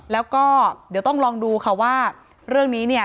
แล้วก็เดี๋ยวต้องลองดูค่ะว่าเรื่องนี้เนี่ย